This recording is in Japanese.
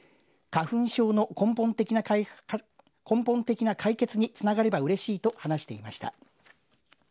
花粉症の根本的な解決につながればうれしいと話していました。